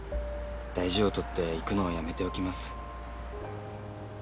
大事を取って行くのやめておきます」。